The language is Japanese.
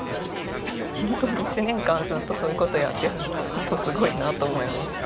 ホントに一年間ずっとそういう事やってるのホントすごいなと思います。